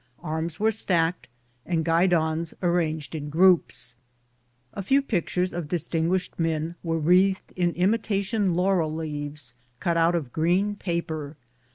Arms were stacked and guidons arranged in groups. A few pictures of distinguished men were wreathed in imitation laurel leaves cut out of green paper.